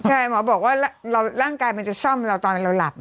ใช่หมอบอกว่าร่างกายมันจะซ่อมเราตอนเราหลับ